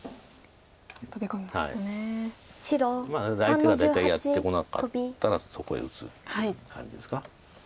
相手が大体やってこなかったらそこへ打つ感じですか。